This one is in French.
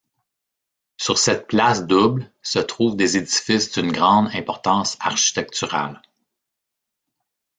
Sur cette place double se trouvent des édifices d'une grande importance architecturale.